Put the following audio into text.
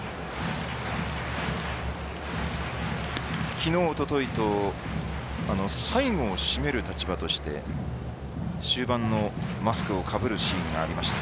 きのう、おとといと最後を締める立場として終盤のマスクをかぶるシーンがありました。